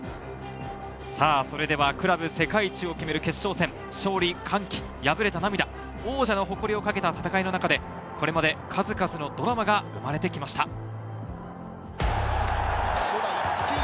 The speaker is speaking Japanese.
それではクラブ世界一を決める決勝戦、勝利、歓喜、敗れた涙、王者の誇りを懸けた戦いの中で、これまで数々のドラマが生まれてきました。